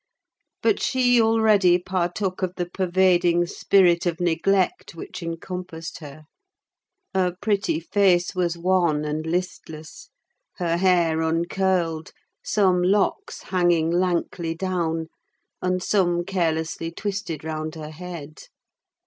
But she already partook of the pervading spirit of neglect which encompassed her. Her pretty face was wan and listless; her hair uncurled: some locks hanging lankly down, and some carelessly twisted round her head.